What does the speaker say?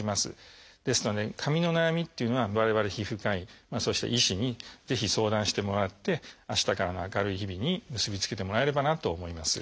ですので髪の悩みっていうのは我々皮膚科医そして医師にぜひ相談してもらって明日からの明るい日々に結び付けてもらえればなと思います。